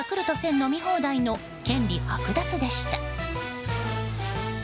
飲み放題の権利剥奪でした。